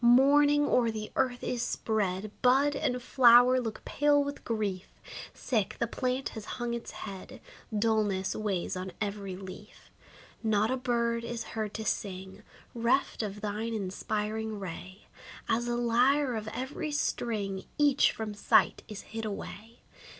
Mourning o'er the earth is spread; Bud and flower look pale with grief. Sick, the plant has hung its head; Dulness weighs on every leaf. Not a bird is heard to sing. Reft of thine inspiring ray. As a lyre of every string, Each from sight is hid away.